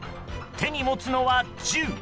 手に持つのは銃。